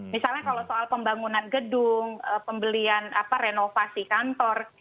misalnya kalau soal pembangunan gedung pembelian renovasi kantor